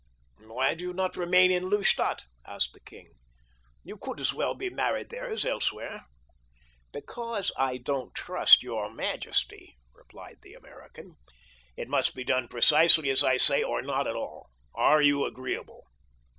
"Why do you not remain in Lustadt?" asked the king. "You could as well be married there as elsewhere." "Because I don't trust your majesty," replied the American. "It must be done precisely as I say or not at all. Are you agreeable?"